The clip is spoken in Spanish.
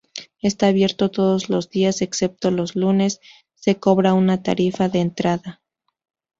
Está abierto todos los días, excepto los lunes; se cobra una tarifa de entrada.